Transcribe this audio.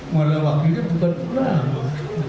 malah wakilnya bukan ulama